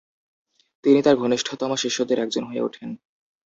তিনি তার ঘনিষ্ঠতম শিষ্যদের একজন হয়ে ওঠেন।